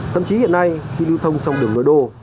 thậm chí hiện nay khi lưu thông trong đường nội đô